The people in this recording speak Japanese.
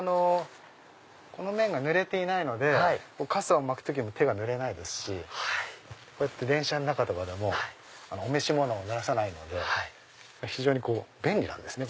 この面が濡れていないので傘を巻く時も手が濡れないですし電車の中とかでもお召し物を濡らさないので非常に便利なんですね